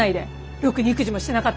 ろくに育児もしてなかったくせに。